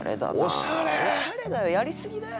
おしゃれだよやりすぎだよ。